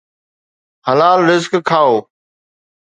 حلال رزق کائو